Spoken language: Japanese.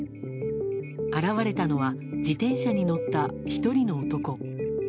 現れたのは自転車に乗った１人の男。